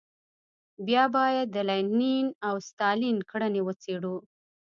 بیا باید د لینین او ستالین کړنې وڅېړو.